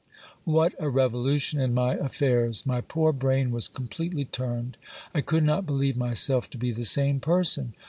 What a revolution in my affairs ! My poor brain was completely turned. I could not believe myself to be the same person.